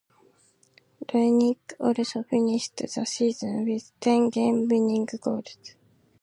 Roenick also finished the season with ten game-winning goals.